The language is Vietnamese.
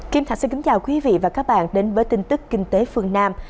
kim thạch xin kính chào quý vị và các bạn đến với tin tức kinh tế phương nam